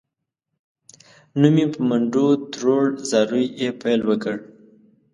نو مې په منډو تروړ، زاریو یې پیل وکړ.